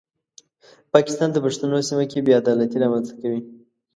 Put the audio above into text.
پاکستان د پښتنو سیمه کې بې عدالتي رامنځته کوي.